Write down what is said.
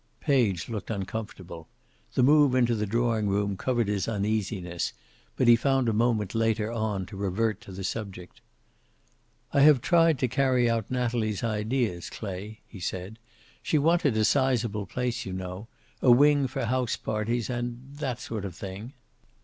Page looked uncomfortable. The move into the drawing room covered his uneasiness, but he found a moment later on to revert to the subject. "I have tried to carry out Natalie's ideas, Clay," he said. "She wanted a sizeable place, you know. A wing for house parties, and that sort of thing."